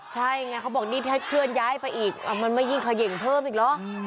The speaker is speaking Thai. ใช่ไงเขาบอกนี่ถ้าเคลื่อนย้ายไปอีกมันไม่ยิ่งเขย่งเพิ่มอีกเหรอ